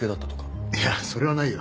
いやそれはないよ。